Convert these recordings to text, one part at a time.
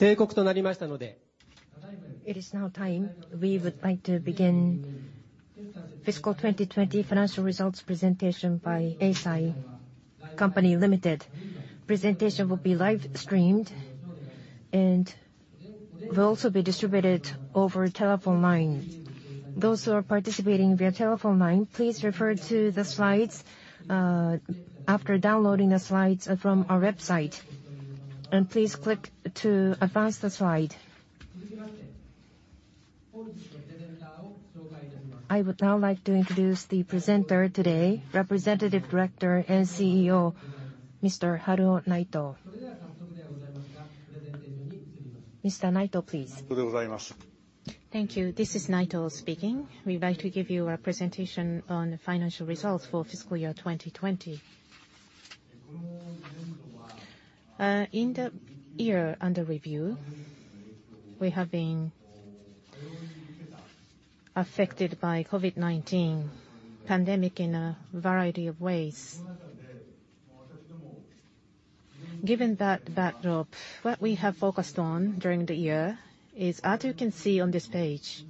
It is now time. We would like to begin fiscal 2020 financial results presentation by Eisai Co., Ltd. Presentation will be live-streamed and will also be distributed over telephone line. Those who are participating via telephone line, please refer to the slides after downloading the slides from our website, and please click to advance the slide. I would now like to introduce the presenter today, Representative Director and CEO, Mr. Haruo Naito. Mr. Naito, please. Thank you. This is Naito speaking. We would like to give you a presentation on the financial results for fiscal year 2020. In the year under review, we have been affected by COVID-19 pandemic in a variety of ways. Given that backdrop, what we have focused on during the year is, as you can see on this page,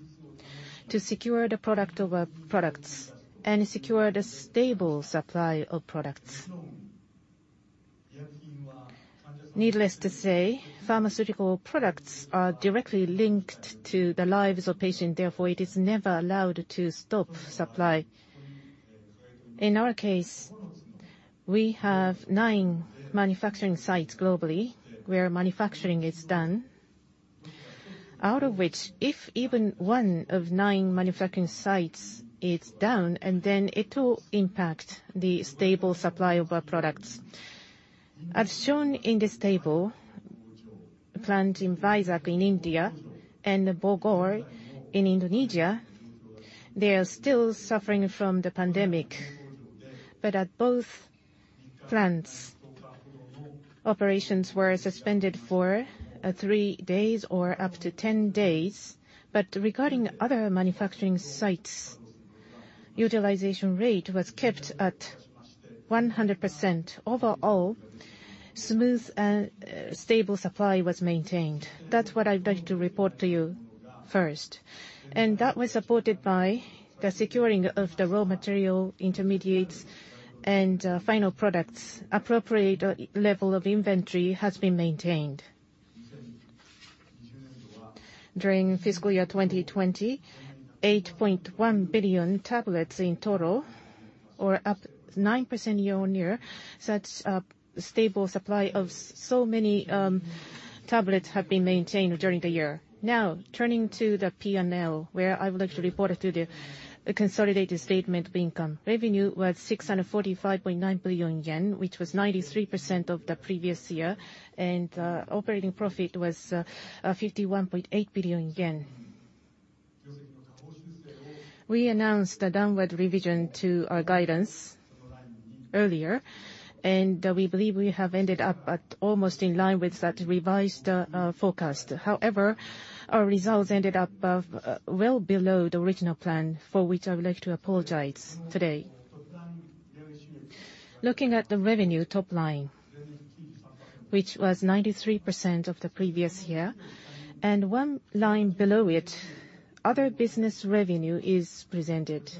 to secure the product of our products and secure the stable supply of products. Needless to say, pharmaceutical products are directly linked to the lives of patients, therefore, it is never allowed to stop supply. In our case, we have nine manufacturing sites globally where manufacturing is done. Out of which, if even one of nine manufacturing sites is down, then it will impact the stable supply of our products. As shown in this table, plants in Vizag in India and Bogor in Indonesia, they are still suffering from the pandemic. At both plants, operations were suspended for three days or up to 10 days. Regarding other manufacturing sites, utilization rate was kept at 100%. Overall, smooth and stable supply was maintained. That's what I would like to report to you first. That was supported by the securing of the raw material intermediates and final products. Appropriate level of inventory has been maintained. During fiscal year 2020, 6.1 billion tablets in total or up 9% year-on-year. Such a stable supply of so many tablets have been maintained during the year. Turning to the P&L, where I would like to report to the consolidated statement of income. Revenue was 645.9 billion yen, which was 93% of the previous year, and operating profit was 51.8 billion yen. We announced a downward revision to our guidance earlier. We believe we have ended up at almost in line with that revised forecast. However, our results ended up well below the original plan, for which I would like to apologize today. Looking at the revenue top line, which was 93% of the previous year. One line below it, other business revenue is presented,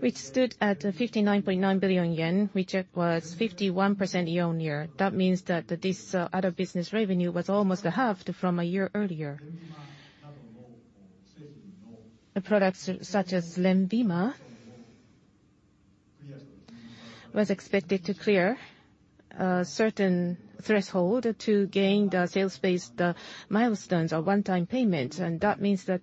which stood at 59.9 billion yen, which was 51% year-on-year. That means that this out-of-business revenue was almost halved from a year earlier. The products such as LENVIMA were expected to clear a certain threshold to gain the sales-based milestones or one-time payments. That means that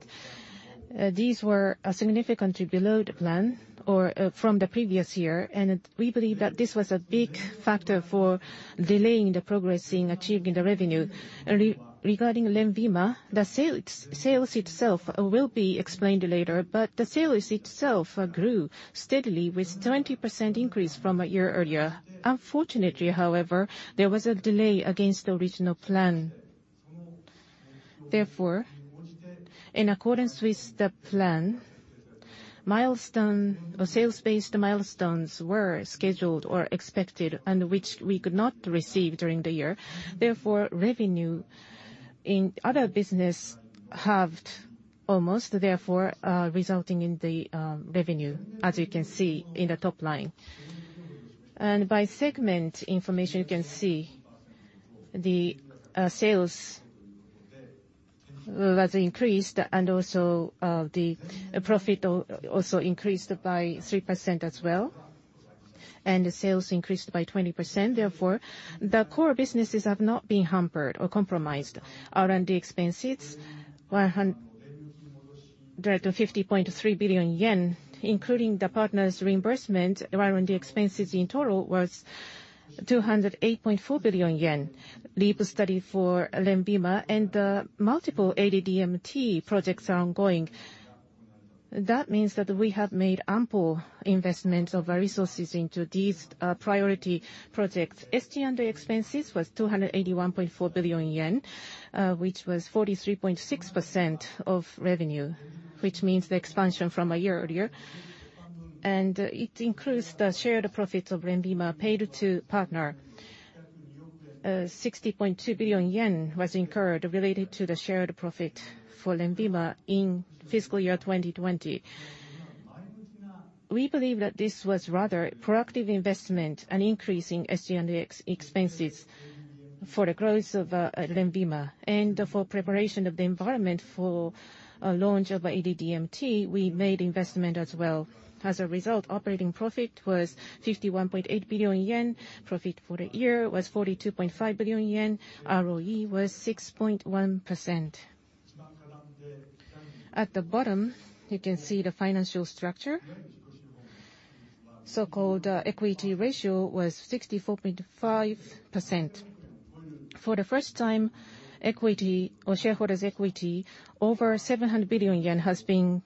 these were significantly below the plan or from the previous year. We believe that this was a big factor for delaying the progress in achieving the revenue. Regarding LENVIMA, the sales itself will be explained later, but the sales itself grew steadily with 20% increase from a year earlier. Unfortunately, however, there was a delay against the original plan. In accordance with the plan, sales-based milestones were scheduled or expected and which we could not receive during the year. Revenue in other business halved almost, therefore, resulting in the revenue, as you can see in the top line. By segment information, you can see the sales was increased and also the profit also increased by 3% as well, and the sales increased by 20%. The core businesses have not been hampered or compromised. R&D expenses, 150.3 billion yen, including the partner's reimbursement, R&D expenses in total was 208.4 billion yen. LEAP study for LENVIMA and the multiple AD DMT projects are ongoing. That means that we have made ample investments of our resources into these priority projects. SG&A expenses was 281.4 billion yen, which was 43.6% of revenue, which means the expansion from a year earlier. It includes the shared profits of LENVIMA paid to partner. 60.2 billion yen was incurred related to the shared profit for LENVIMA in fiscal year 2020. We believe that this was rather productive investment and increasing SG&A expenses for the growth of LENVIMA. For preparation of the environment for launch of AD DMT, we made investment as well. As a result, operating profit was 51.8 billion yen. Profit for the year was 42.5 billion yen. ROE was 6.1%. At the bottom, you can see the financial structure. So-called equity ratio was 64.5%. For the first time, equity or shareholders' equity over 700 billion yen has been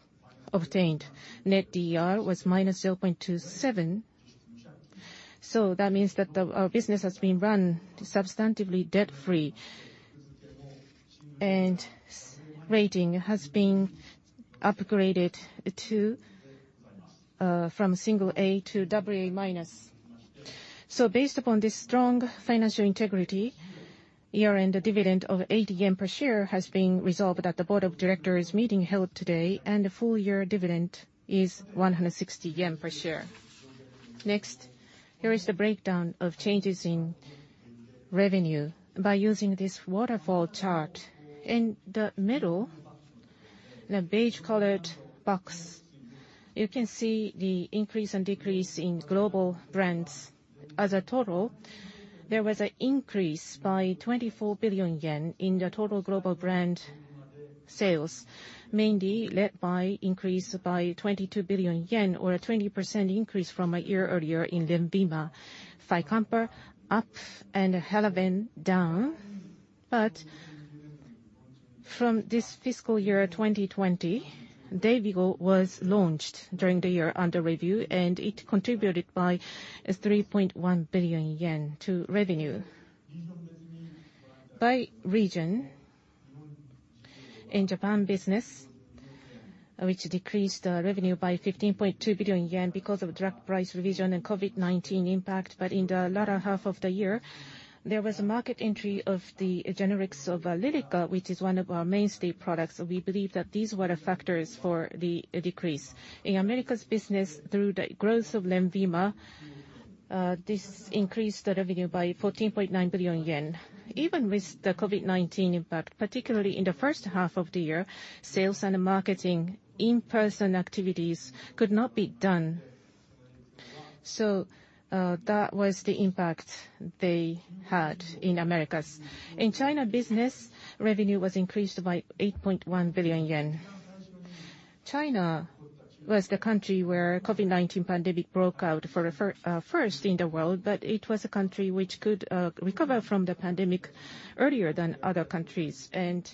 obtained. Net DER was -0.27, that means that our business has been run substantively debt-free. Rating has been upgraded from single A to double A minus. Based upon this strong financial integrity, year-end dividend of 80 yen per share has been resolved at the Board of Directors meeting held today, and the full year dividend is 160 yen per share. Next, here is the breakdown of changes in revenue by using this waterfall chart. In the middle, the beige-colored box, you can see the increase and decrease in global brands. As a total, there was an increase by 24 billion yen in the total global brand sales, mainly led by increase by 22 billion yen or a 20% increase from a year earlier in LENVIMA. FYCOMPA up and HALAVEN down. From this fiscal year, 2020, DAYVIGO was launched during the year under review, and it contributed by 3.1 billion yen to revenue. By region, in Japan business, which decreased revenue by 15.2 billion yen because of drug price revision and COVID-19 impact, but in the latter half of the year, there was a market entry of the generics of Lyrica, which is one of our mainstay products. We believe that these were the factors for the decrease. In Americas business through the growth of LENVIMA, this increased the revenue by 14.9 billion yen. Even with the COVID-19 impact, particularly in the first half of the year, sales and marketing in-person activities could not be done. That was the impact they had in Americas. In China business, revenue was increased by 8.1 billion yen. China was the country where COVID-19 pandemic broke out first in the world, it was a country which could recover from the pandemic earlier than other countries and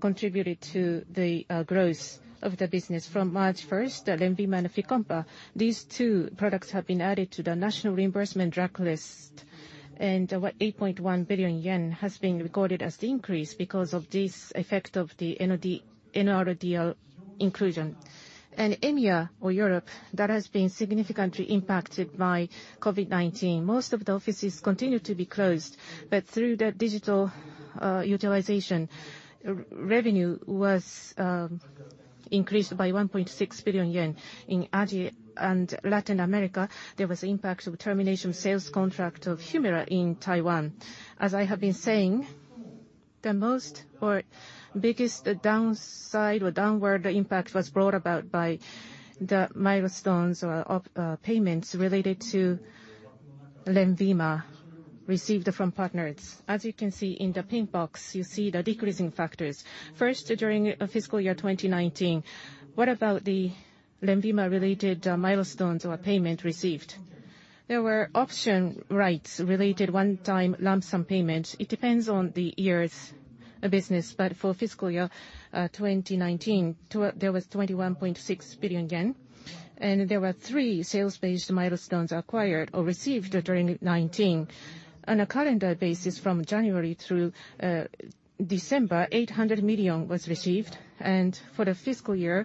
contributed to the growth of the business. From March 1st, 2021 LENVIMA and FYCOMPA, these two products have been added to the National Reimbursement Drug List. 8.1 billion yen has been recorded as the increase because of this effect of the NRDL inclusion. In EMEA or Europe, that has been significantly impacted by COVID-19. Most of the offices continued to be closed, but through the digital utilization, revenue was increased by 1.6 billion yen. In AGI and Latin America, there was impact of termination sales contract of HUMIRA in Taiwan. As I have been saying, the most or biggest downside or downward impact was brought about by the milestones of payments related to LENVIMA received from partners. As you can see in the pink box, you see the decreasing factors. During fiscal year 2019, what about the LENVIMA-related milestones or payment received? There were option rights related one-time lump sum payments. It depends on the year's business, for fiscal year 2019, there was 21.6 billion yen, and there were three sales-based milestones acquired or received during 2019. On a calendar basis from January through December, 800 million was received, for the fiscal year,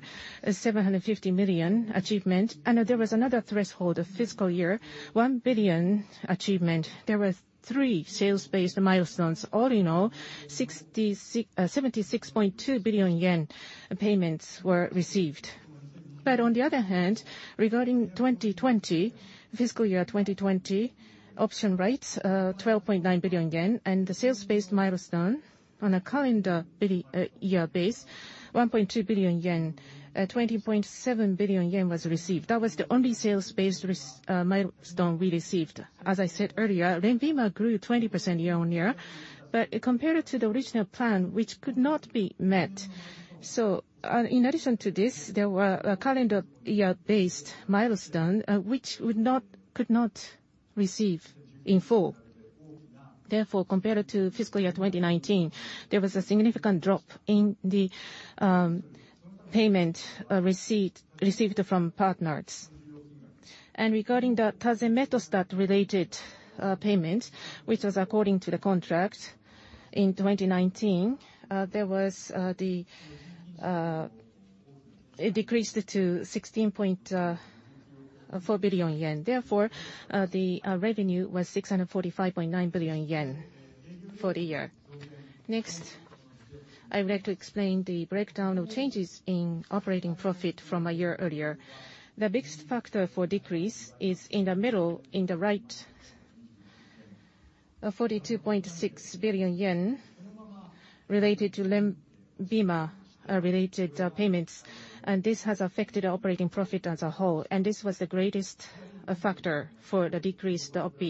750 million achievement. There was another threshold of fiscal year, 1 billion achievement. There were three sales-based milestones. All in all, 76.2 billion yen payments were received. On the other hand, regarding 2020, fiscal year 2020 option rights 12.9 billion yen and the sales-based milestone on a calendar year base, 1.2 billion yen, 20.7 billion yen was received. That was the only sales-based milestone we received. As I said earlier, LENVIMA grew 20% year-on-year, compared to the original plan, which could not be met. In addition to this, there was a calendar year-based milestone, which could not be received in full. Therefore, compared to fiscal year 2019, there was a significant drop in the payment received from partners. Regarding the tazemetostat-related payment, which was according to the contract in 2019, it decreased to 16.4 billion yen. Therefore, the revenue was 645.9 billion yen for the year. Next, I would like to explain the breakdown of changes in operating profit from a year earlier. The biggest factor for decrease is in the middle, in the right, of JPY 42.6 billion related to LENVIMA-related payments. This has affected operating profit as a whole, this was the greatest factor for the decreased OP.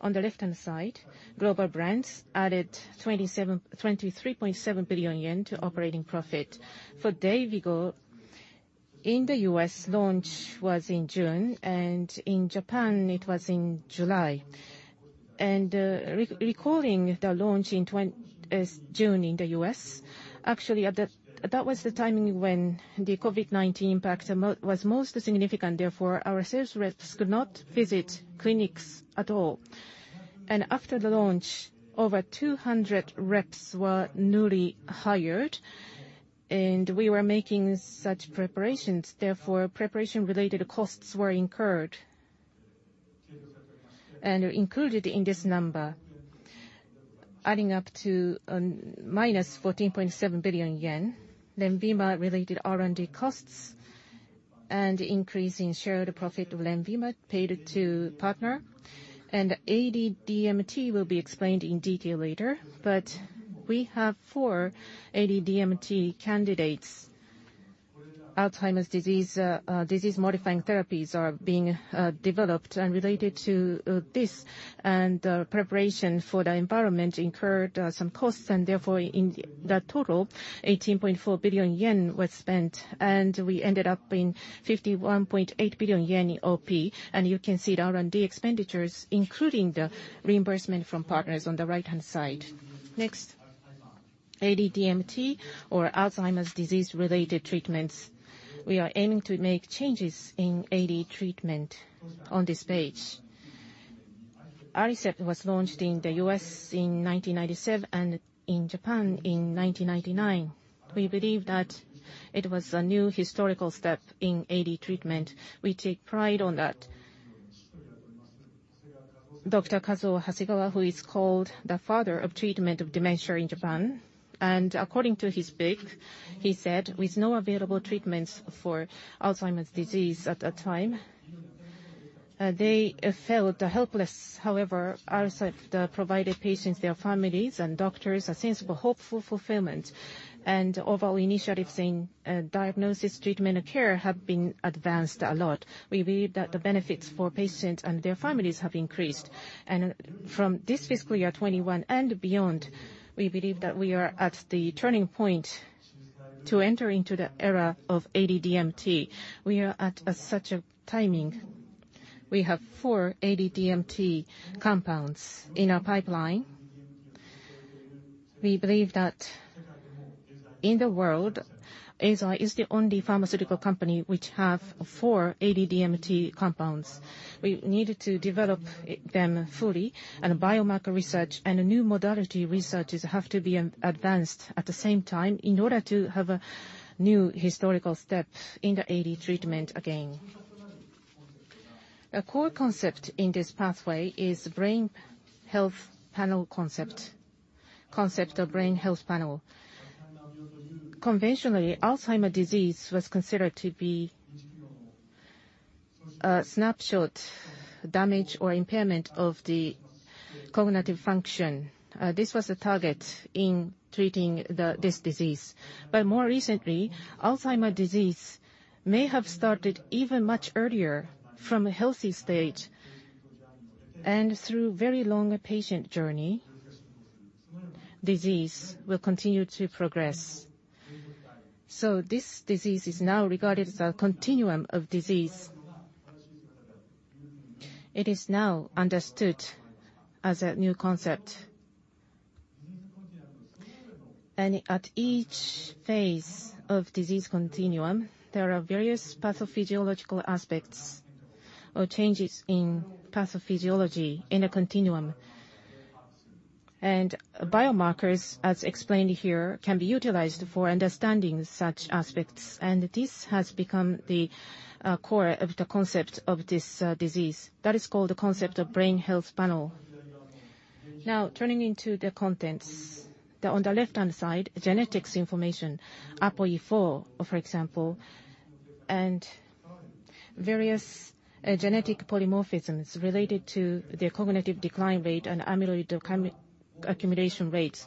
On the left-hand side, Global Brands added JPY 23.7 billion to operating profit. For DAYVIGO, in the U.S. launch was in June, and in Japan it was in July. Recalling the launch in June in the U.S., actually, that was the timing when the COVID-19 impact was most significant, therefore, our sales reps could not visit clinics at all. After the launch, over 200 reps were newly hired, and we were making such preparations, therefore, preparation-related costs were incurred. Included in this number, adding up to a minus 14.7 billion yen, LENVIMA-related R&D costs and increase in share of the profit of LENVIMA paid to partner. AD DMT will be explained in detail later, but we have four AD DMT candidates. Alzheimer's disease-modifying therapies are being developed and related to this, preparation for the environment incurred some costs and therefore, in the total, 18.4 billion yen was spent, and we ended up in 51.8 billion yen in OP. You can see the R&D expenditures, including the reimbursement from partners on the right-hand side. Next. AD DMT or Alzheimer's disease-related treatments. We are aiming to make changes in AD treatment on this page. Aricept was launched in the U.S. in 1997 and in Japan in 1999. We believe that it was a new historical step in AD treatment. We take pride on that. Dr. Kazuo Hasegawa, who is called the father of treatment of dementia in Japan, according to his book, he said, "With no available treatments for Alzheimer's disease at that time, they felt helpless. However, Aricept provided patients, their families, and doctors a sense of hopeful fulfillment. Overall initiatives in diagnosis, treatment, and care have been advanced a lot. We believe that the benefits for patients and their families have increased. From this fiscal year 2021 and beyond, we believe that we are at the turning point to enter into the era of AD DMT. We are at such a timing. We have four AD DMT compounds in our pipeline. We believe that in the world, Eisai is the only pharmaceutical company which have four AD DMT compounds. We needed to develop them fully, and biomarker research and new modality researches have to be advanced at the same time in order to have a new historical step in the AD treatment again. A core concept in this pathway is brain health panel concept. Concept of Brain Health Panel. Conventionally, Alzheimer's disease was considered to be a snapshot damage or impairment of the cognitive function. This was a target in treating this disease. More recently, Alzheimer's disease may have started even much earlier from a healthy state. Through very long patient journey, disease will continue to progress. This disease is now regarded as a continuum of disease. It is now understood as a new concept. At each phase of disease continuum, there are various pathophysiological aspects or changes in pathophysiology in a continuum. Biomarkers, as explained here, can be utilized for understanding such aspects. This has become the core of the concept of this disease. That is called the concept of Brain Health Panel. Now, turning into the contents. On the left-hand side, genetics information, APOE4, for example, and various genetic polymorphisms related to the cognitive decline rate and amyloid accumulation rates.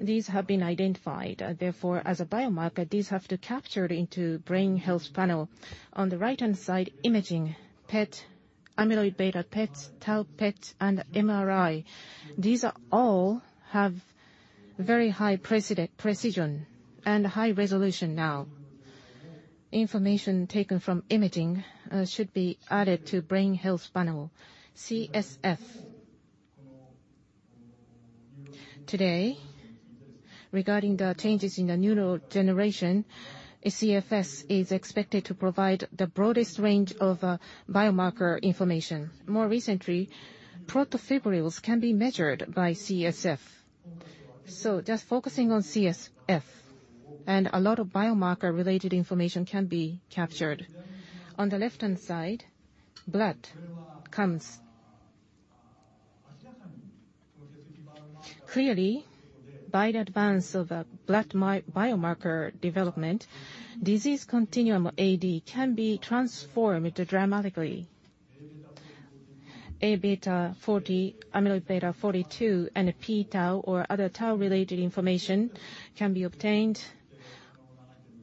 These have been identified. As a biomarker, these have to capture into Brain Health Panel. On the right-hand side, imaging, PET, amyloid-beta PET, tau PET, and MRI. These all have very high precision and high resolution now. Information taken from imaging should be added to Brain Health Panel. CSF. Today, regarding the changes in the neurodegeneration, a CSF is expected to provide the broadest range of biomarker information. More recently, protofibrils can be measured by CSF. Just focusing on CSF, and a lot of biomarker related information can be captured. On the left-hand side, blood comes. Clearly, by the advance of a blood biomarker development, disease continuum AD can be transformed dramatically. Abeta40, amyloid-beta 42, and p-tau or other tau-related information can be obtained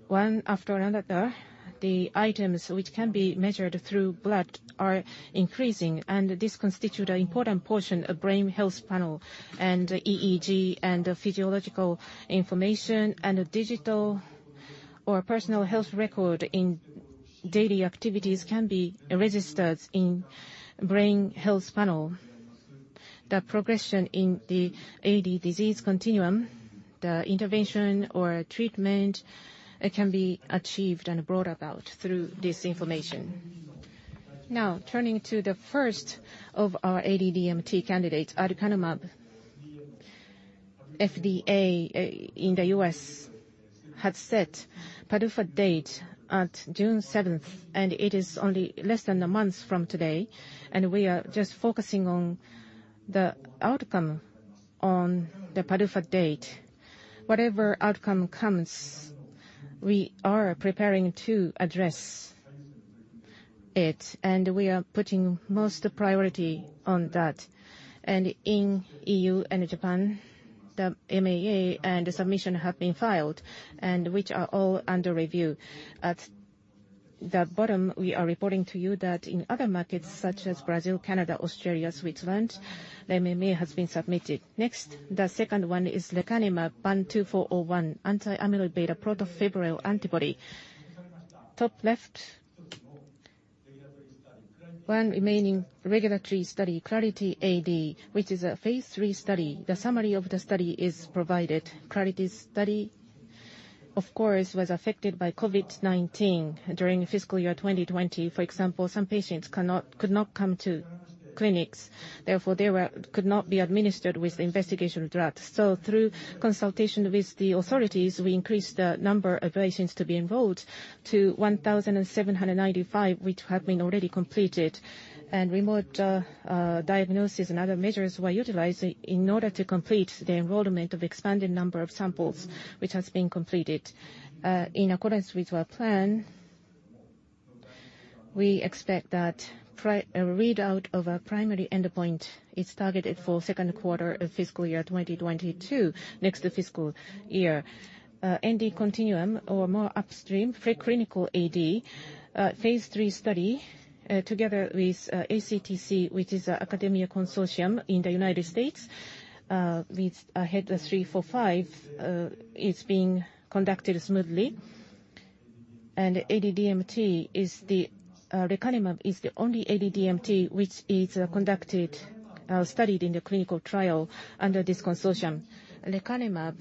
one after another. The items which can be measured through blood are increasing, this constitutes an important portion of brain health panel and EEG and physiological information and a digital or personal health record in daily activities can be registered in Brain Health Panel. The progression in the AD disease continuum, the intervention or treatment can be achieved and brought about through this information. Turning to the first of our AD DMT candidates, aducanumab. FDA in the U.S. had set PDUFA date at June 7th, 2021 it is only less than a month from today, we are just focusing on the outcome on the PDUFA date. Whatever outcome comes, we are preparing to address it, we are putting most priority on that. In EU and Japan, the MAA and the submission have been filed, which are all under review. At the bottom, we are reporting to you that in other markets such as Brazil, Canada, Australia, Switzerland, the MAA has been submitted. The second one is lecanemab BAN2401, anti-amyloid-beta protofibril antibody. Top left. One remaining regulatory study, CLARITY-AD, which is a Phase III study. The summary of the study is provided. CLARITY study, of course, was affected by COVID-19 during fiscal year 2020. For example, some patients could not come to clinics, therefore they could not be administered with the investigational drug. Through consultation with the authorities, we increased the number of patients to be enrolled to 1,795, which have been already completed. Remote diagnosis and other measures were utilized in order to complete the enrollment of expanded number of samples, which has been completed. In accordance with our plan, we expect that a readout of a primary endpoint is targeted for second quarter of FY 2022, next fiscal year. AD continuum or more upstream, preclinical AD, Phase III study together with ACTC, which is an academic consortium in the U.S., with AHEAD 3-45, is being conducted smoothly. Lecanemab is the only AD DMT which is studied in the clinical trial under this consortium. Lecanemab,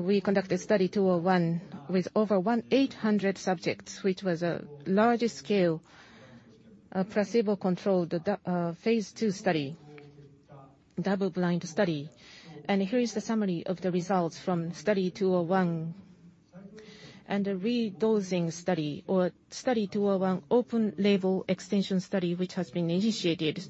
we conducted Study 201 with over 800 subjects, which was a large-scale placebo-controlled, phase II study, double-blind study. Here is the summary of the results from Study 201 and a redosing study or Study 201 open-label extension study, which has been initiated.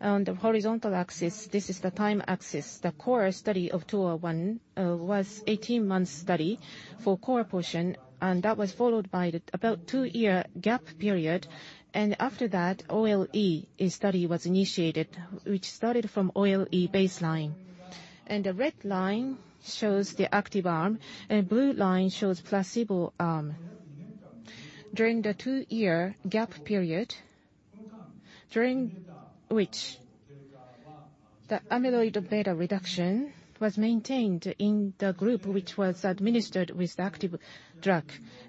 On the horizontal axis, this is the time axis. The core study of 201 was 18-month study for core portion. That was followed by about two-year gap period. After that, OLE study was initiated, which started from OLE baseline. The red line shows the active arm, and blue line shows placebo arm. During the two-year gap period, during which the amyloid-beta reduction was maintained in the group, which was administered with the active drug.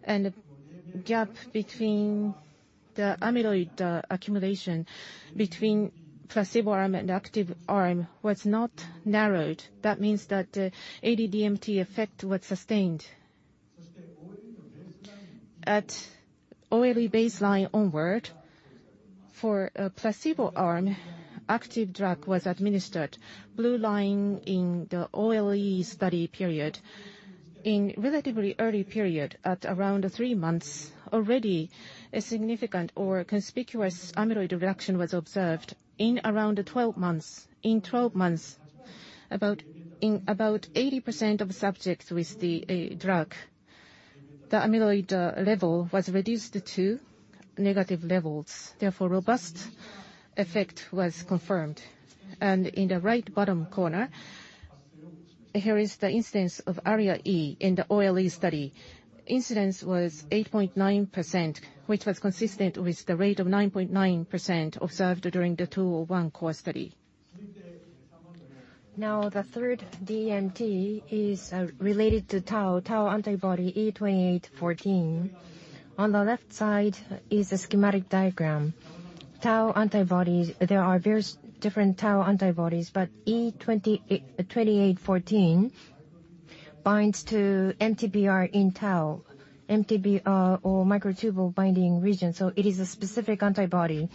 The gap between the amyloid accumulation between placebo arm and active arm was not narrowed. That means that the AD DMT effect was sustained. At OLE baseline onward, for placebo arm, active drug was administered. Blue line in the OLE study period. In relatively early period at around three months, already a significant or conspicuous amyloid reduction was observed in around 12 months. In 12 months, in about 80% of subjects with the drug, the amyloid level was reduced to negative levels. Therefore, robust effect was confirmed. In the right bottom corner, here is the instance of ARIA-E in the OLE study. Incidence was 8.9%, which was consistent with the rate of 9.9% observed during the 201 core study. The third DMT is related to tau antibody E2814. On the left side is a schematic diagram. Tau antibodies, there are various different tau antibodies, but E2814. Binds to MTBR in tau. MTBR or microtubule binding region. It is a specific antibody.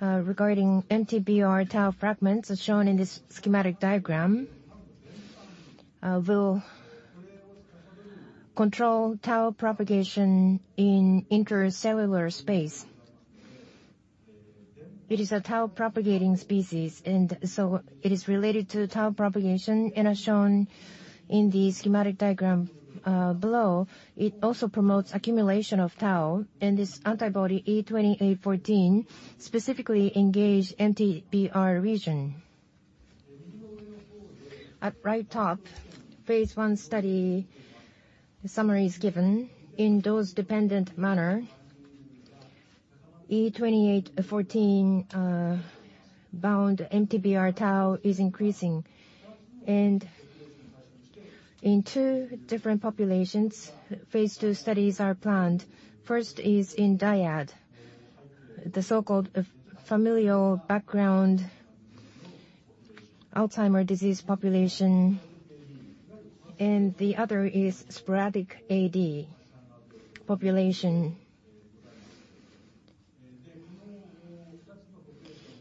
Regarding MTBR tau fragments, as shown in this schematic diagram, will control tau propagation in intercellular space. It is a tau-propagating species, and it is related to tau propagation. As shown in the schematic diagram below, it also promotes accumulation of tau, and this antibody, E2814, specifically engages MTBR region. At right top, phase I study summary is given in dose-dependent manner. E2814-bound MTBR tau is increasing. In two different populations, phase II studies are planned. First is in DIAD, the so-called familial background Alzheimer's disease population, and the other is sporadic AD population.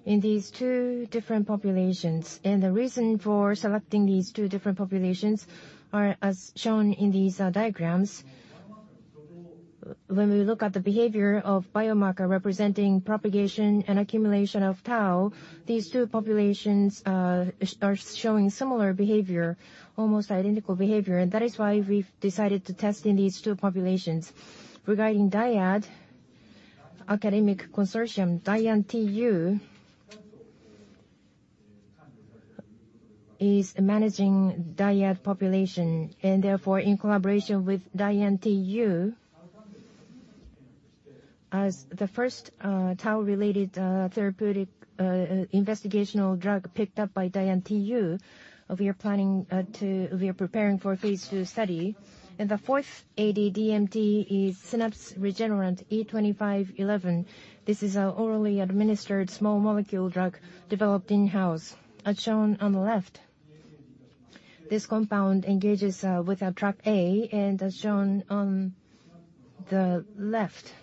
In these two different populations, and the reason for selecting these two different populations are as shown in these diagrams. That is why we've decided to test in these two populations. Regarding DIAN academic consortium, DIAN-TU is managing DIAN population. Therefore, in collaboration with DIAN-TU as the first tau-related therapeutic investigational drug picked up by DIAN-TU, we are preparing for phase II study. The fourth AD DMT is synapse regenerant E2511. This is an orally administered small molecule drug developed in-house, as shown on the left. This compound engages with TrkA. As shown on the left,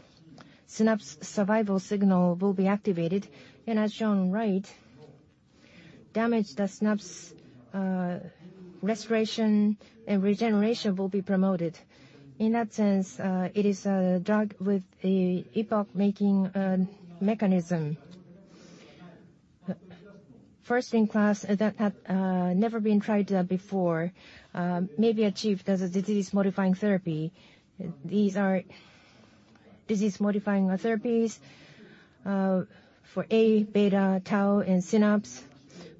synapse survival signal will be activated. As shown right, damaged synapse restoration and regeneration will be promoted. In that sense, it is a drug with an epoch-making mechanism. First in class that had never been tried before, may be achieved as a disease-modifying therapy. These are disease-modifying therapies for A-beta, tau, and synapse.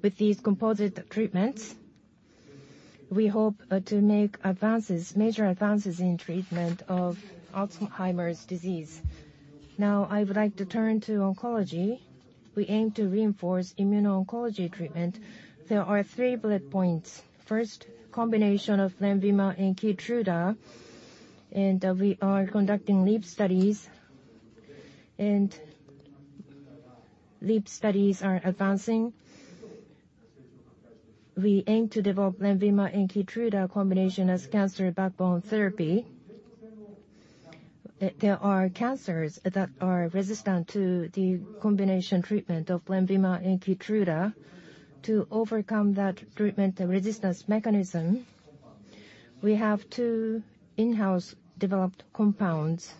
With these composite treatments, we hope to make major advances in treatment of Alzheimer's disease. I would like to turn to oncology. We aim to reinforce immuno-oncology treatment. There are three bullet points. First, combination of LENVIMA and Keytruda, and we are conducting LEAP studies. LEAP studies are advancing. We aim to develop LENVIMA and Keytruda combination as cancer backbone therapy. There are cancers that are resistant to the combination treatment of LENVIMA and Keytruda. To overcome that treatment resistance mechanism, we have two in-house developed compounds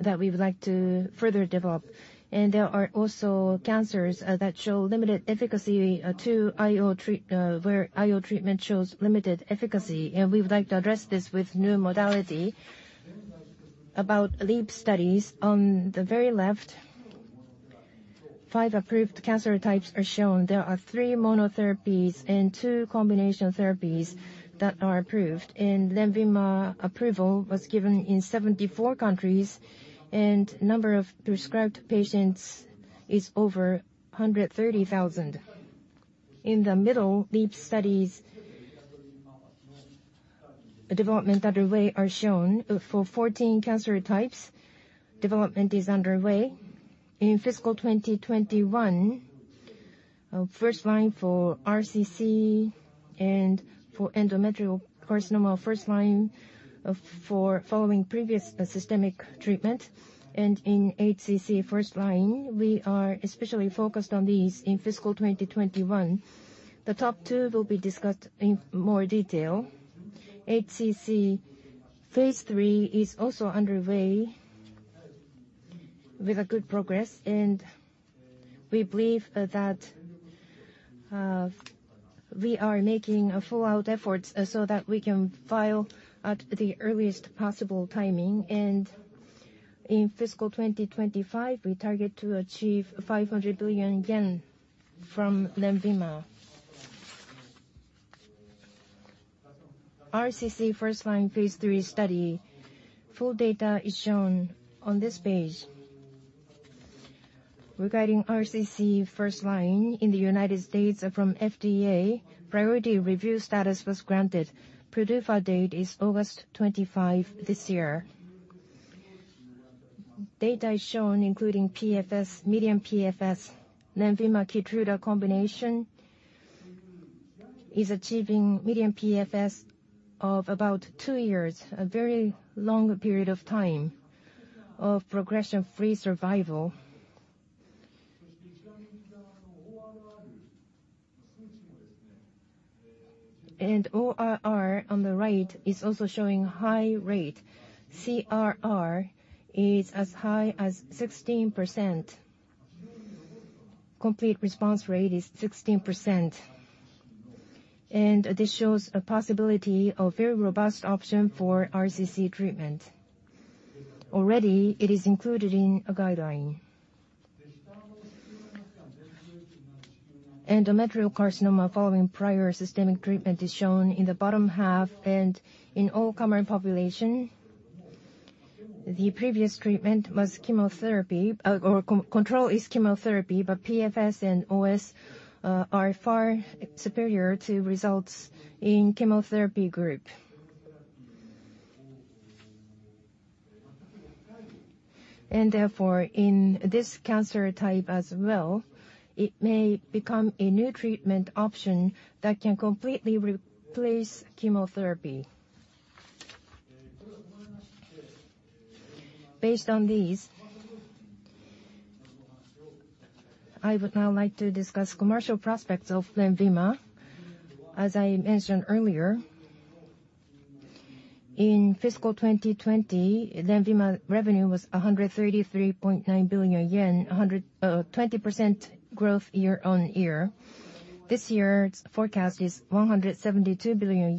that we would like to further develop. There are also cancers where IO treatment shows limited efficacy, and we would like to address this with new modality. About LEAP studies, on the very left, 5 approved cancer types are shown. There are 3 monotherapies and 2 combination therapies that are approved. LENVIMA approval was given in 74 countries, number of prescribed patients is over 130,000. In the middle, LEAP studies development that are shown for 14 cancer types, development is underway. In FY 2021, first line for RCC and for endometrial carcinoma, first line for following previous systemic treatment. In HCC first line, we are especially focused on these in FY 2021. The top 2 will be discussed in more detail. HCC Phase III is also underway with a good progress, we believe that we are making full-out efforts so that we can file at the earliest possible timing. In FY 2025, we target to achieve 500 billion yen from LENVIMA. RCC first-line Phase III study. Full data is shown on this page. Regarding RCC first line in the U.S. from FDA, priority review status was granted. PDUFA date is August 25th, 2021 this year. Data is shown, including PFS, median PFS. LENVIMA Keytruda combination is achieving median PFS of about two years, a very long period of time of progression-free survival. ORR on the right is also showing high rate. CRR is as high as 16%. Complete response rate is 16%, and this shows a possibility of very robust option for RCC treatment. Already it is included in a guideline. Endometrial carcinoma following prior systemic treatment is shown in the bottom half, and in all comer population, the previous treatment was chemotherapy, or control is chemotherapy, but PFS and OS are far superior to results in chemotherapy group. Therefore, in this cancer type as well, it may become a new treatment option that can completely replace chemotherapy. Based on these, I would now like to discuss commercial prospects of LENVIMA. As I mentioned earlier, in fiscal 2020, LENVIMA revenue was JPY 133.9 billion, 120% growth year-on-year. This year's forecast is 172 billion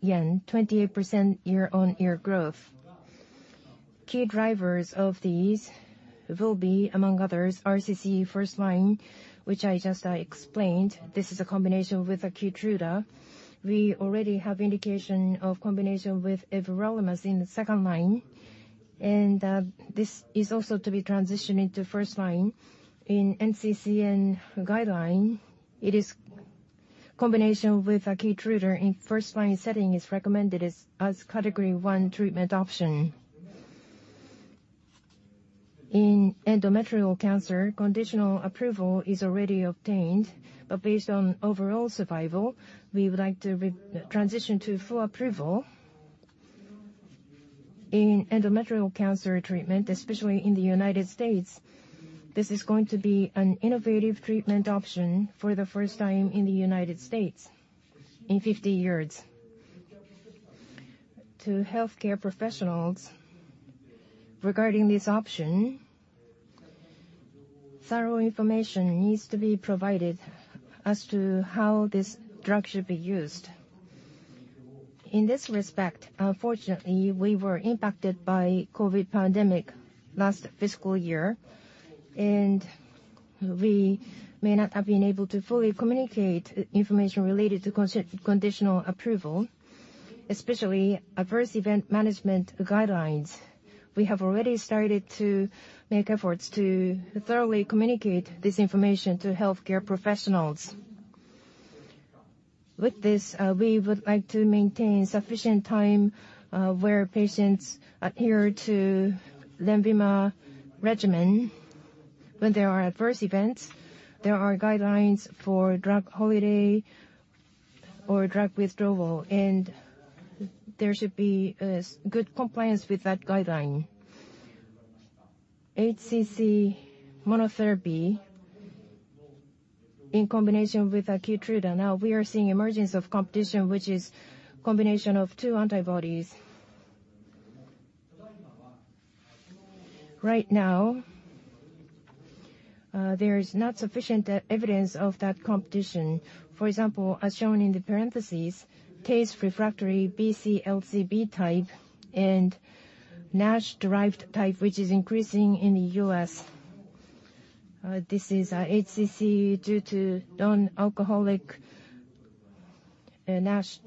yen, 28% year-on-year growth. Key drivers of these will be, among others, RCC first-line, which I just explained. This is a combination with Keytruda. We already have indication of combination with everolimus in the second line, and this is also to be transitioned into first line. In NCCN guideline, it is combination with Keytruda in first-line setting is recommended as Category 1 treatment option. In endometrial cancer, conditional approval is already obtained, but based on overall survival, we would like to transition to full approval. In endometrial cancer treatment, especially in the U.S., this is going to be an innovative treatment option for the first time in the U.S. in 50 years. To healthcare professionals, regarding this option, thorough information needs to be provided as to how this drug should be used. In this respect, unfortunately, we were impacted by COVID-19 pandemic last fiscal year, and we may not have been able to fully communicate information related to conditional approval, especially adverse event management guidelines. We have already started to make efforts to thoroughly communicate this information to healthcare professionals. With this, we would like to maintain sufficient time, where patients adhere to LENVIMA regimen. When there are adverse events, there are guidelines for drug holiday or drug withdrawal, and there should be good compliance with that guideline. HCC monotherapy in combination with Keytruda, we are seeing emergence of competition, which is combination of two antibodies. Right now, there is not sufficient evidence of that competition. For example, as shown in the parentheses, TACE refractory BCLC B type and NASH-derived type, which is increasing in the U.S. This is HCC due to non-alcoholic NASH,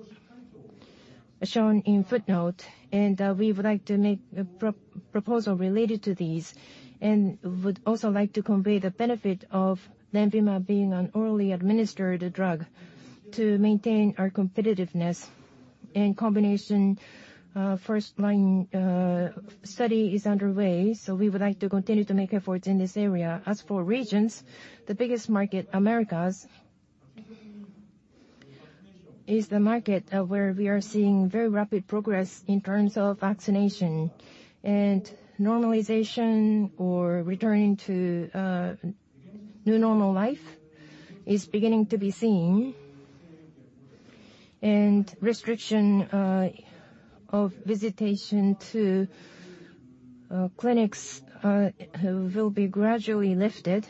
as shown in footnote. We would like to make a proposal related to these and would also like to convey the benefit of LENVIMA being an orally administered drug to maintain our competitiveness. In combination, first-line study is underway, we would like to continue to make efforts in this area. As for regions, the biggest market, Americas, is the market where we are seeing very rapid progress in terms of vaccination and normalization or returning to new normal life is beginning to be seen. Restriction of visitation to clinics will be gradually lifted.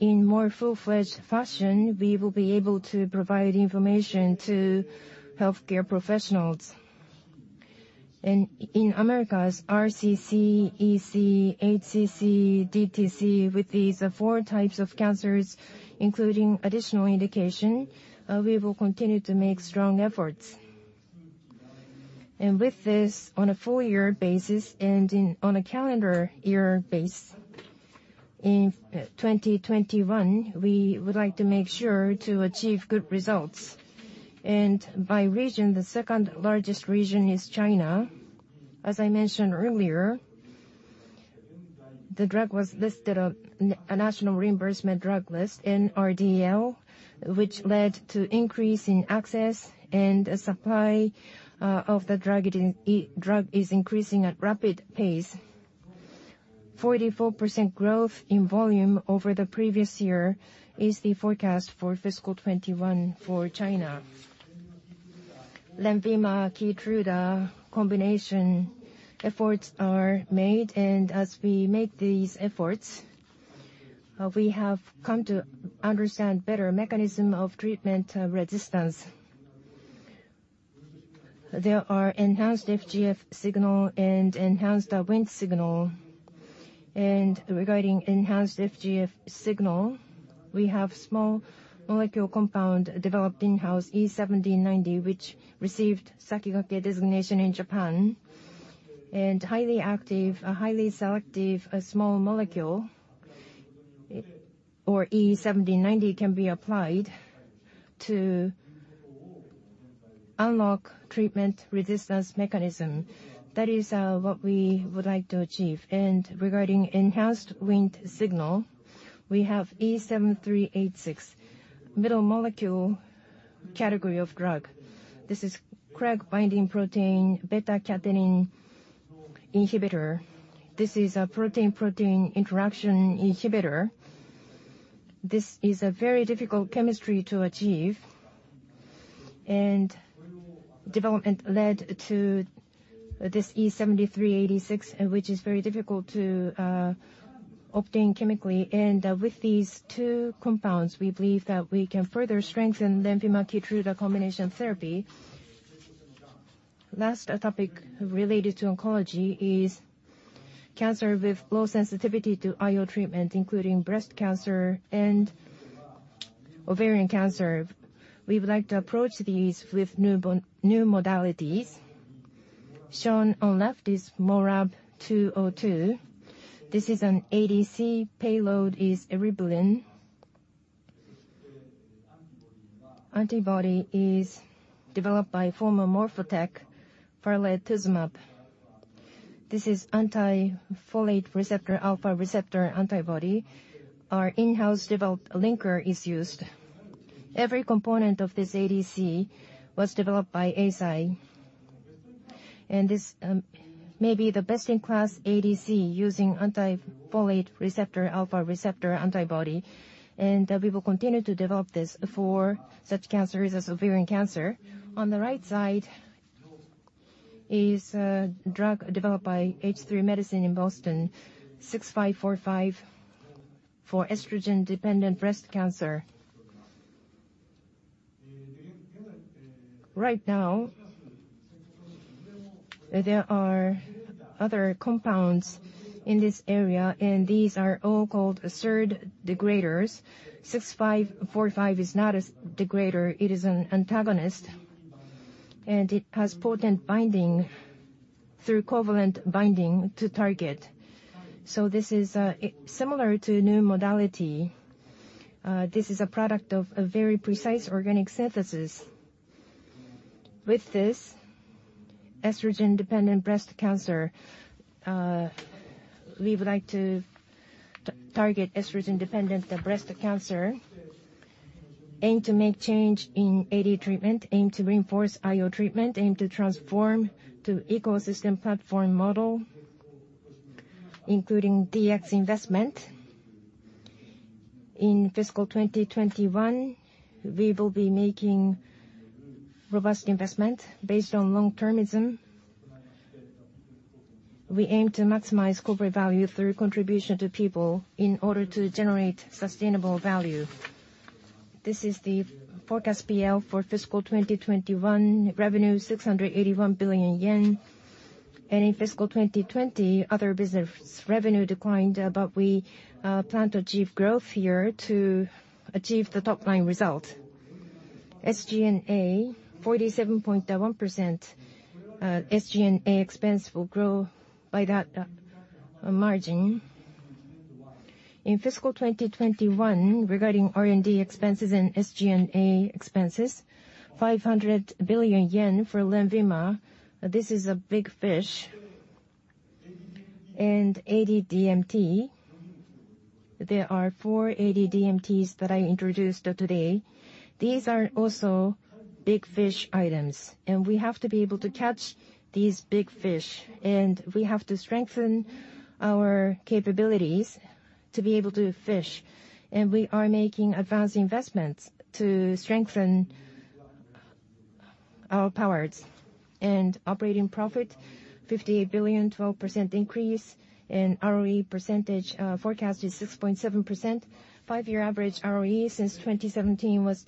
In more full-fledged fashion, we will be able to provide information to healthcare professionals. In Americas, RCC, EC, HCC, DTC, with these four types of cancers, including additional indication, we will continue to make strong efforts. With this, on a full-year basis and on a calendar year basis. In 2021, we would like to make sure to achieve good results. By region, the second-largest region is China. As I mentioned earlier, the drug was listed on a national reimbursement drug list, NRDL, which led to increase in access and supply of the drug is increasing at rapid pace. 44% growth in volume over the previous year is the forecast for fiscal 2021 for China. LENVIMA, Keytruda combination efforts are made, and as we make these efforts, we have come to understand better mechanism of treatment resistance. There are enhanced FGF signal and enhanced WNT signal. Regarding enhanced FGF signal, we have small molecule compound developed in-house, E7090, which received Sakigake designation in Japan. A highly selective small molecule or E7090 can be applied to unlock treatment resistance mechanism. That is what we would like to achieve. Regarding enhanced WNT signal, we have E7386, middle molecule category of drug. This is a CREB-binding protein, beta-catenin inhibitor. This is a protein-protein interaction inhibitor. This is a very difficult chemistry to achieve, development led to this E7386, which is very difficult to obtain chemically. With these two compounds, we believe that we can further strengthen LENVIMA, Keytruda combination therapy. Last topic related to oncology is cancer with low sensitivity to IO treatment, including breast cancer and ovarian cancer. We would like to approach these with new modalities. Shown on left is MORAb-202. This is an ADC, payload is eribulin. Antibody is developed by former Morphotek, farletuzumab. This is anti-folate receptor, alpha receptor antibody. Our in-house developed linker is used. Every component of this ADC was developed by Eisai, this may be the best-in-class ADC using anti-folate receptor, alpha receptor antibody. We will continue to develop this for such cancers as ovarian cancer. On the right side is a drug developed by H3 Biomedicine in Boston, H3B-6545, for estrogen-dependent breast cancer. Right now, there are other compounds in this area, and these are all called SERD degraders. H3B-6545 is not a degrader. It is an antagonist, and it has potent binding through covalent binding to target. This is similar to new modality. This is a product of a very precise organic synthesis. With this, estrogen-dependent breast cancer, we would like to target estrogen-dependent breast cancer, aim to make change in AD treatment, aim to reinforce IO treatment, aim to transform to ecosystem platform model, including DX investment. In fiscal 2021, we will be making robust investment based on long-termism. We aim to maximize corporate value through contribution to people in order to generate sustainable value. This is the forecast PL for fiscal 2021. Revenue, 681 billion yen. In fiscal 2020, other business revenue declined, but we plan to achieve growth here to achieve the top-line result. SG&A, 47.1%. SG&A expense will grow by that margin. In fiscal 2021, regarding R&D expenses and SG&A expenses, 500 billion yen for LENVIMA. This is a big fish. There are four AD DMTs that I introduced today. These are also big fish items. We have to be able to catch these big fish. We have to strengthen our capabilities to be able to fish. We are making advanced investments to strengthen our powers. Operating profit, 58 billion, 12% increase. ROE forecast is 6.7%. 5-year average ROE since 2017 was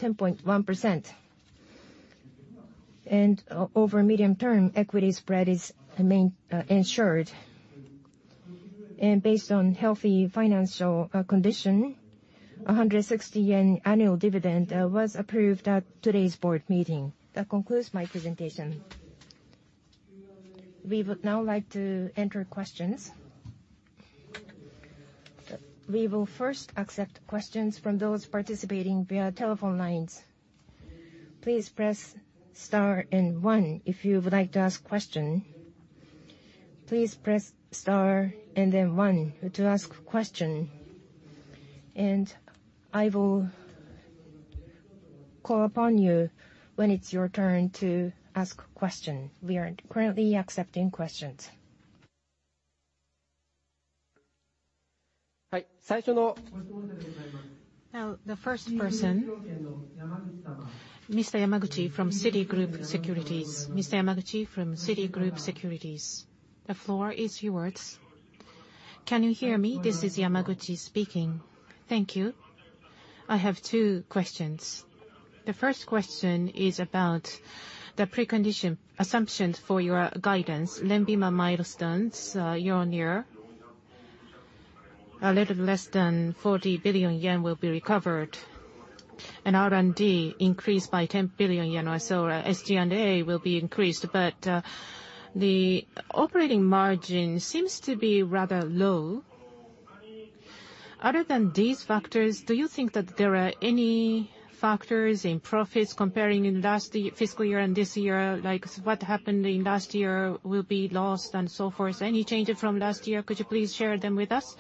10.1%. Over medium term, equity spread is ensured. Based on healthy financial condition, 160 yen annual dividend was approved at today's board meeting. That concludes my presentation. We would now like to enter questions. We will first accept questions from those participating via telephone lines. Please press star and one if you would like to ask question. Please press star and one to ask question. I will call upon you when it's your turn to ask question. We are currently accepting questions. The first person, Mr. Yamaguchi from Citigroup Securities. Mr. Yamaguchi from Citigroup Securities. The floor is yours. Can you hear me? This is Yamaguchi speaking. Thank you. I have two questions. The first question is about the precondition assumptions for your guidance, LENVIMA milestones. Year-over-year, a little less than 40 billion yen will be recovered. R&D increased by 10 billion yen or so. SG&A will be increased. The operating margin seems to be rather low. Other than these factors, do you think that there are any factors in profits comparing last fiscal year and this year, like what happened in last year will be lost and so forth? Any changes from last year, could you please share them with us?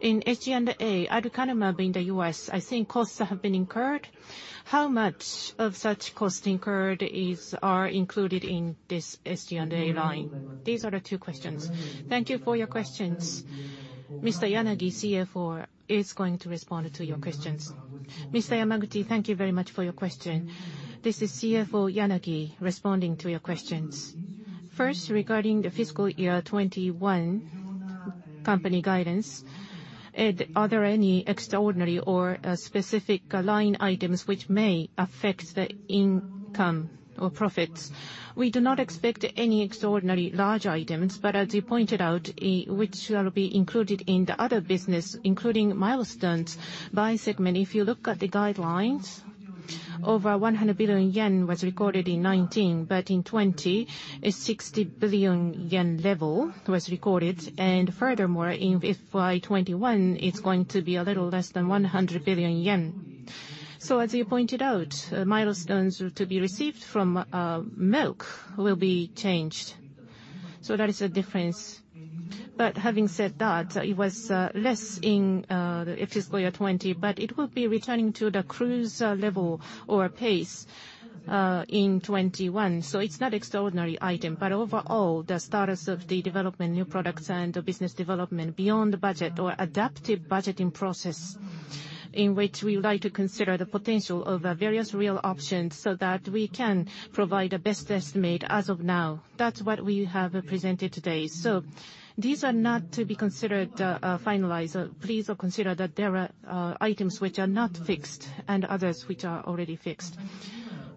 In SG&A, aducanumab in the U.S., I think costs have been incurred. How much of such costs incurred are included in this SG&A line? These are the two questions. Thank you for your questions. Mr. Yanagi, CFO, is going to respond to your questions. Mr. Yamaguchi, thank you very much for your question. This is CFO Yanagi responding to your questions. First, regarding the fiscal year 2021 company guidance, are there any extraordinary or specific line items which may affect the income or profits? We do not expect any extraordinarily large items, but as you pointed out, which will be included in the other business, including milestones by segment. If you look at the guidelines, over 100 billion yen was recorded in 2019, but in 2020, a 60 billion yen level was recorded. Furthermore, in FY 2021, it's going to be a little less than 100 billion yen. As you pointed out, milestones to be received from Merck will be changed. That is a difference. Having said that, it was less in the fiscal year 2020, but it will be returning to the cruise level or pace in 2021. It's not extraordinary item. Overall, the status of the development, new products and business development beyond budget or adaptive budgeting process, in which we would like to consider the potential of various real options so that we can provide a best estimate as of now. That's what we have presented today. These are not to be considered finalized. Please consider that there are items which are not fixed and others which are already fixed.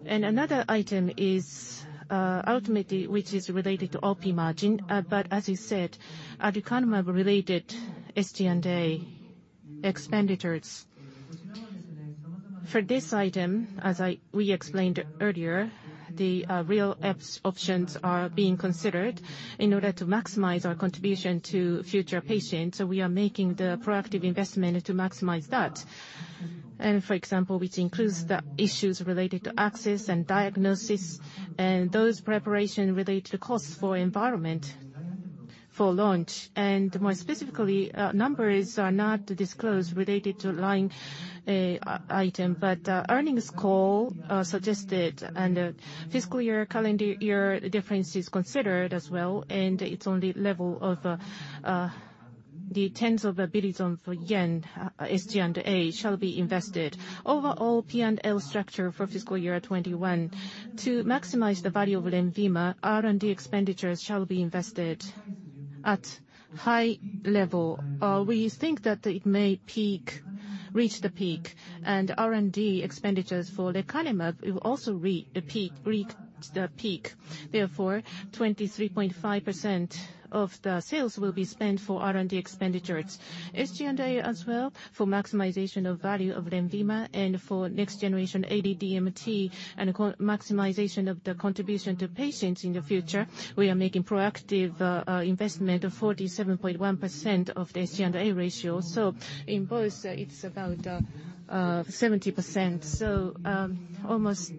Another item is, ultimately, which is related to OP margin. As you said, aducanumab-related SG&A expenditures. For this item, as we explained earlier, the real options are being considered in order to maximize our contribution to future patients. We are making the proactive investment to maximize that. For example, which includes the issues related to access and diagnosis, and those preparation-related costs for environment for launch. More specifically, numbers are not disclosed related to line item, but earnings call suggested and fiscal year, calendar year difference is considered as well. It's on the level of the JPY tens of billions, SG&A shall be invested. Overall P&L structure for fiscal year 2021. To maximize the value of LENVIMA, R&D expenditures shall be invested at high level. We think that it may reach the peak, and R&D expenditures for lecanemab will also reach the peak. Therefore, 23.5% of the sales will be spent for R&D expenditures. SG&A as well, for maximization of value of LENVIMA and for next generation AD DMT and maximization of the contribution to patients in the future. We are making proactive investment of 47.1% of the SG&A ratio. In both, it's about 70%. Almost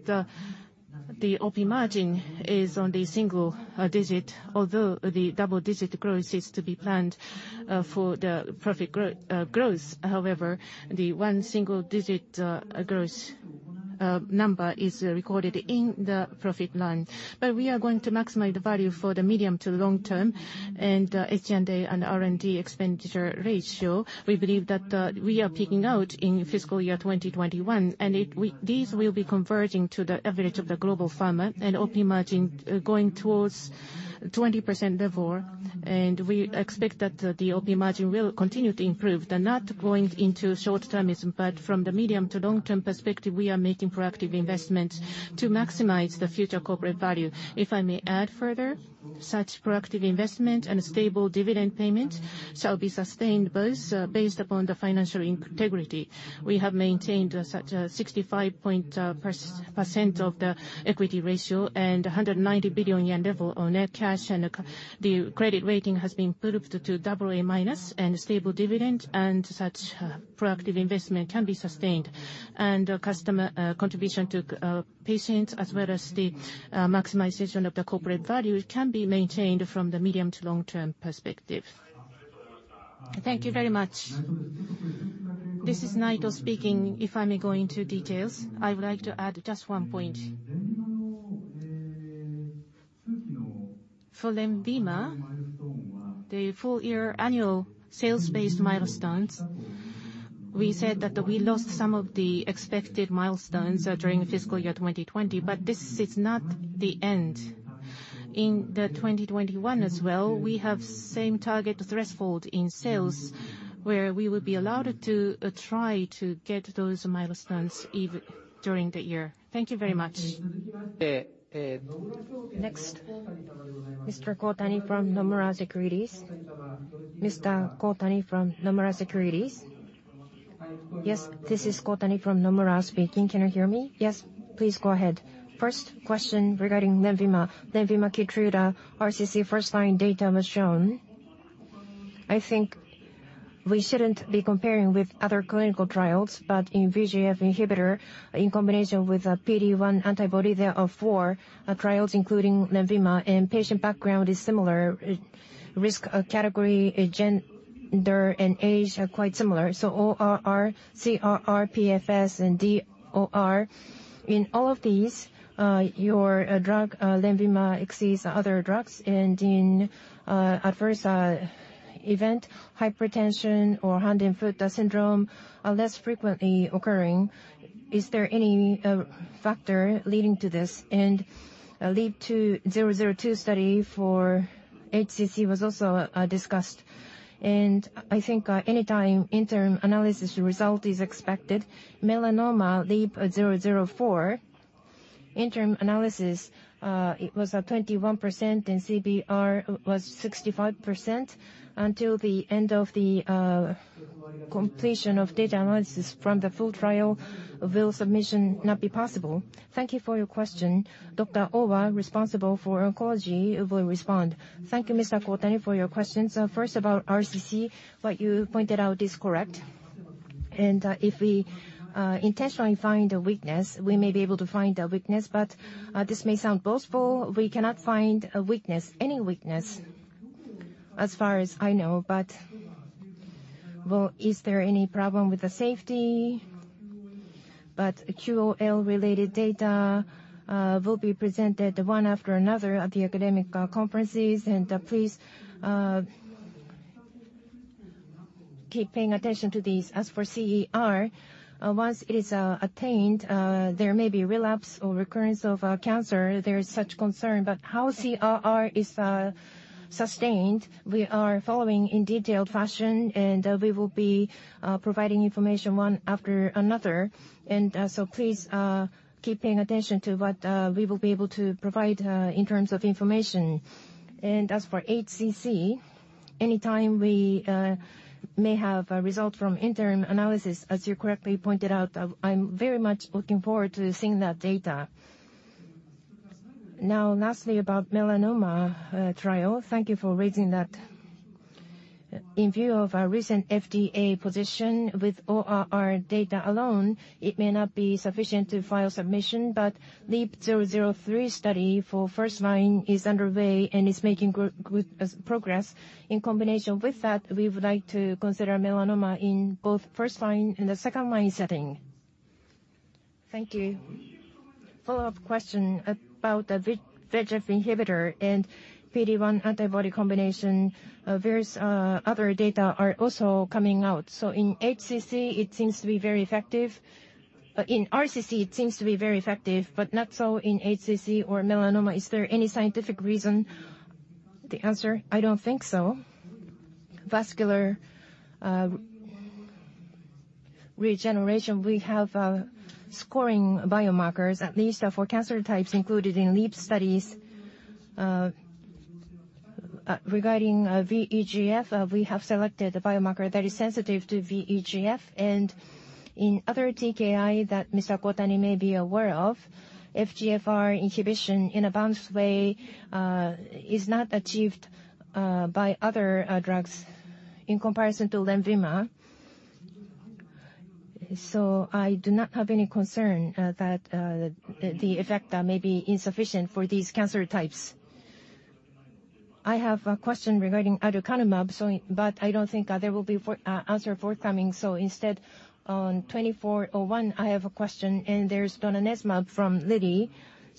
the OP margin is on the single digit, although the double-digit growth is to be planned for the profit growth. The one single-digit growth number is recorded in the profit line. We are going to maximize the value for the medium to long term and SG&A and R&D expenditure ratio. We believe that we are peaking out in fiscal year 2021, and these will be converging to the average of the global pharma and OP margin going towards 20% level. We expect that the OP margin will continue to improve. They're not going into short-termism, but from the medium to long-term perspective, we are making proactive investments to maximize the future corporate value. If I may add further, such proactive investment and stable dividend payment shall be sustained, both based upon the financial integrity. We have maintained such 65% of the equity ratio and 190 billion yen level on net cash. The credit rating has been improved to AA- and stable dividend and such proactive investment can be sustained, and customer contribution to patients as well as the maximization of the corporate value can be maintained from the medium to long-term perspective. Thank you very much. This is Naito speaking. If I may go into details, I would like to add just one point. For LENVIMA, the full year annual sales-based milestones, we said that we lost some of the expected milestones during fiscal year 2020, but this is not the end. In 2021 as well, we have same target threshold in sales where we will be allowed to try to get those milestones during the year. Thank you very much. Next, Mr. Kohtani from Nomura Securities. Mr. Kohtani from Nomura Securities. Yes, this is Kohtani from Nomura speaking. Can you hear me? Yes, please go ahead. First question regarding LENVIMA. LENVIMA/Keytruda RCC first-line data was shown. I think we shouldn't be comparing with other clinical trials, but in VEGF inhibitor, in combination with a PD-1 antibody, there are four trials including LENVIMA, and patient background is similar. Risk category, gender, and age are quite similar. ORR, CRR, PFS, and DOR, in all of these, your drug LENVIMA exceeds other drugs. In adverse event, hypertension or hand and foot syndrome are less frequently occurring. Is there any factor leading to this? LEAP-002 study for HCC was also discussed, and I think any time interim analysis result is expected. Melanoma LEAP-004 interim analysis, it was at 21% and CBR was 65%. Until the end of the completion of data analysis from the full trial, will submission not be possible? Thank you for your question. Dr. Owa, responsible for oncology, will respond. Thank you, Mr. Kohtani, for your questions. First, about RCC, what you pointed out is correct. If we intentionally find a weakness, we may be able to find a weakness. This may sound boastful, we cannot find a weakness, any weakness, as far as I know. Well, is there any problem with the safety? QOL-related data will be presented one after another at the academic conferences. Please, keep paying attention to these. As for CR, once it is attained, there may be relapse or recurrence of cancer. There is such concern. How CRR is sustained, we are following in detailed fashion, and we will be providing information one after another. Please keep paying attention to what we will be able to provide in terms of information. As for HCC, any time we may have a result from interim analysis, as you correctly pointed out, I'm very much looking forward to seeing that data. Lastly, about melanoma trial. Thank you for raising that. In view of our recent FDA position with ORR data alone, it may not be sufficient to file submission, but LEAP-003 study for first line is underway and is making good progress. In combination with that, we would like to consider melanoma in both first line and the second line setting. Thank you. Follow-up question about the VEGF inhibitor and PD-1 antibody combination. Various other data are also coming out. In RCC, it seems to be very effective, but not so in HCC or melanoma. Is there any scientific reason? The answer. I don't think so. Vascular regeneration, we have scoring biomarkers, at least for cancer types included in LEAP studies. In other TKI that Mr. Kohtani may be aware of, FGFR inhibition in a bound way is not achieved by other drugs in comparison to LENVIMA. I do not have any concern that the effect may be insufficient for these cancer types. I have a question regarding aducanumab, I don't think there will be answer forthcoming. Instead, on 24-01, I have a question, There's donanemab from Lilly.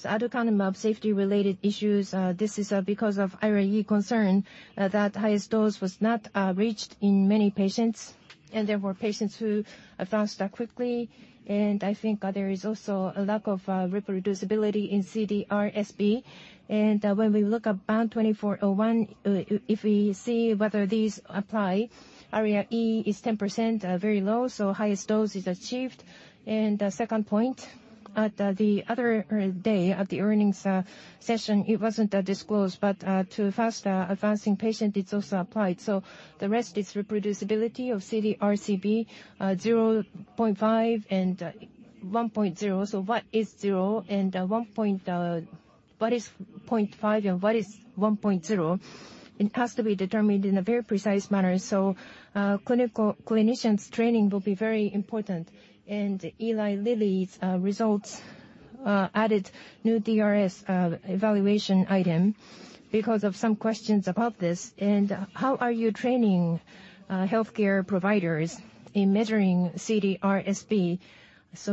aducanumab safety-related issues, this is because of ARIA-E concern that highest dose was not reached in many patients, There were patients who advanced quickly. I think there is also a lack of reproducibility in CDR-SB. When we look at BAN2401, if we see whether these apply, ARIA-E is 10%, very low, so highest dose is achieved. Second point, at the other day, at the earnings session, it wasn't disclosed, but to fast-advancing patient, it's also applied. The rest is reproducibility of CDR-SB, 0.5 and 1.0. What is 0 and what is 0.5 and what is 1.0? It has to be determined in a very precise manner. Clinician's training will be very important. Eli Lilly's results Added new DRS evaluation item because of some questions about this. How are you training healthcare providers in measuring CDR-SB?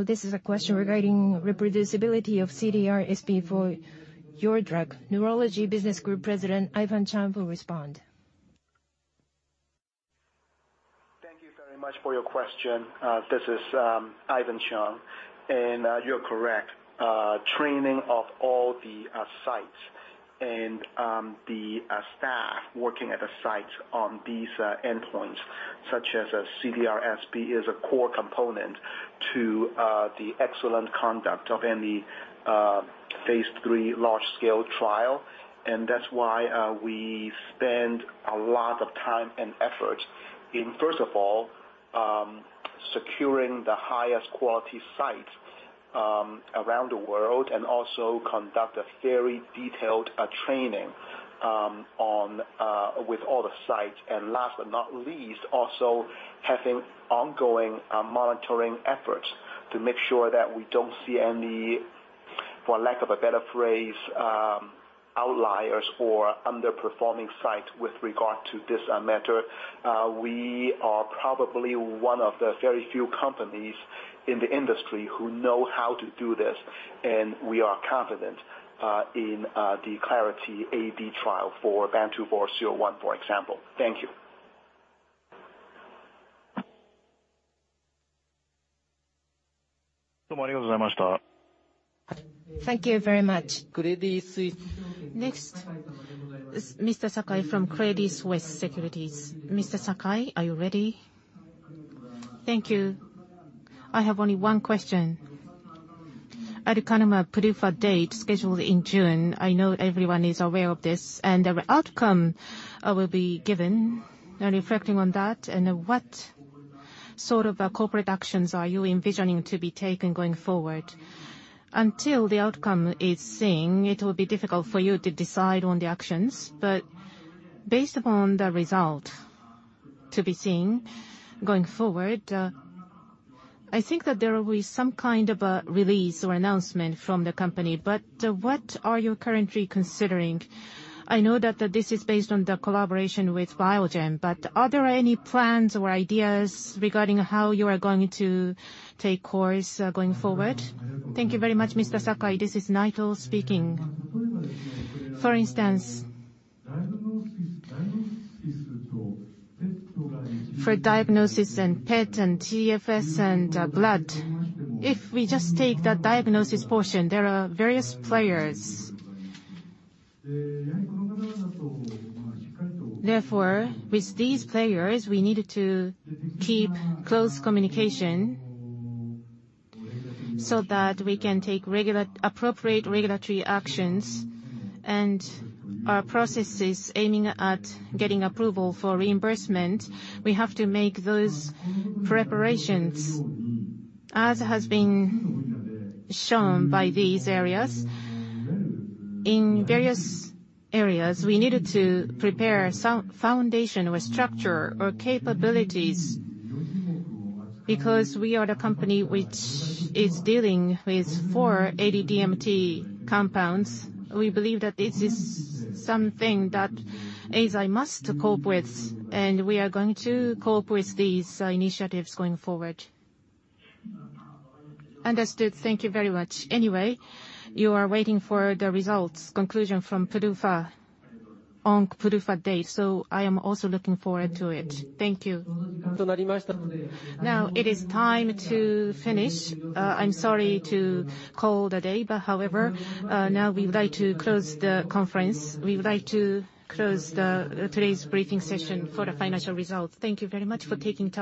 This is a question regarding reproducibility of CDR-SB for your drug. Neurology business group President Ivan Cheung will respond. Thank you very much for your question. This is Ivan Cheung. You're correct. Training of all the sites and the staff working at the sites on these endpoints, such as CDR-SB, is a core component to the excellent conduct of any Phase III large-scale trial. That's why we spend a lot of time and effort in, first of all, securing the highest quality sites around the world, and also conduct a very detailed training with all the sites. Last but not least, also having ongoing monitoring efforts to make sure that we don't see any, for lack of a better phrase, outliers or underperforming sites with regard to this matter. We are probably one of the very few companies in the industry who know how to do this, and we are confident in the Clarity-AD trial for BAN2401, for example. Thank you. Thank you very much. Next is Mr. Sakai from Credit Suisse Securities. Mr. Sakai, are you ready? Thank you. I have only one question. Aducanumab PDUFA date scheduled in June, I know everyone is aware of this, the outcome will be given. Reflecting on that, what sort of corporate actions are you envisioning to be taken going forward? Until the outcome is seen, it will be difficult for you to decide on the actions. Based upon the result to be seen going forward, I think that there will be some kind of a release or announcement from the company. What are you currently considering? I know that this is based on the collaboration with Biogen, are there any plans or ideas regarding how you are going to take course going forward? Thank you very much, Mr. Sakai. This is Naito speaking. For instance, for diagnosis and PET and CSF and blood, if we just take the diagnosis portion, there are various players. With these players, we needed to keep close communication so that we can take appropriate regulatory actions and our processes aiming at getting approval for reimbursement. We have to make those preparations. As has been shown by these areas, in various areas, we needed to prepare some foundation with structure or capabilities. We are the company which is dealing with four AD DMT compounds. We believe that this is something that Eisai must cope with, and we are going to cope with these initiatives going forward. Understood. Thank you very much. You are waiting for the results, conclusion from PDUFA date. I am also looking forward to it. Thank you. Now it is time to finish. I'm sorry to call the day, but however, now we'd like to close the conference. We would like to close today's briefing session for the financial results. Thank you very much for taking time.